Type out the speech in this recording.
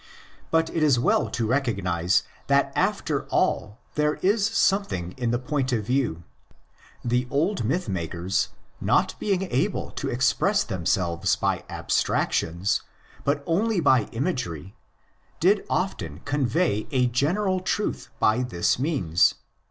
But it is well to recognise that after all there is something in the point of view. The old myth makers, not being able to express themselves by abstractions, but only by imagery, did often convey a general truth by this means.